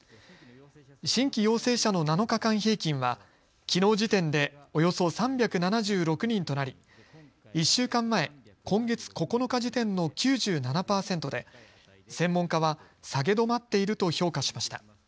新規陽性者の７日間平均はきのう時点でおよそ３７６人となり１週間前、今月９日時点の９７％で専門家は下げ止まっていると評価しました。